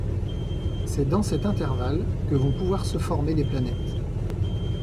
C'est dans cet intervalle que vont pouvoir se former des planètes.